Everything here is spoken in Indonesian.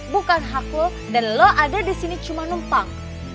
bukan hak lo dan lo ada di sini cuma numpang